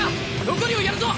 残りをやるぞ！